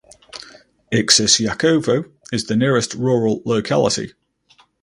Iksisyakovo is the nearest rural locality.